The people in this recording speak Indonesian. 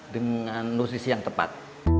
dengan notisi yang tepat